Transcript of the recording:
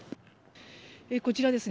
こちらですね